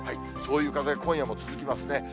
そういう風、今夜も続きますね。